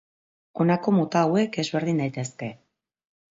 Honako mota hauek ezberdin daitezke.